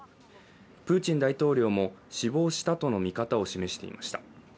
プーチン大統領も死亡したとの見方を示していました。